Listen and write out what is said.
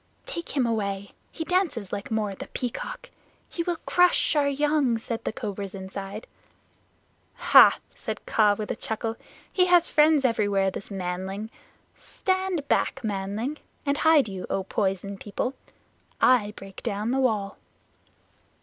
"Take him away. He dances like Mao the Peacock. He will crush our young," said the cobras inside. "Hah!" said Kaa with a chuckle, "he has friends everywhere, this manling. Stand back, manling. And hide you, O Poison People. I break down the wall."